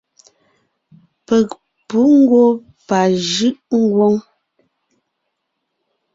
Peg pǔ ngwɔ́ pajʉʼ ngwóŋ.